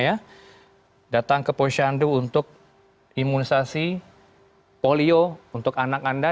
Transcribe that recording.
ya datang ke posyandu untuk imunisasi polio untuk anak anda